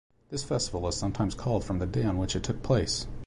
This festival is sometimes called from the day on which it took place.